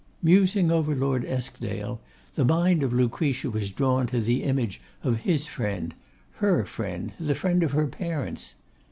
Musing over Lord Eskdale, the mind of Lucretia was drawn to the image of his friend; her friend; the friend of her parents.